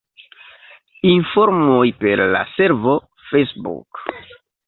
Informoj per la servo Facebook.